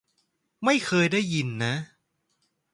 ไม่เคยได้ยินนะ